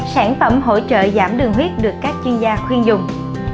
sản phẩm hỗ trợ giảm đường huyết được các chuyên gia khuyên dùng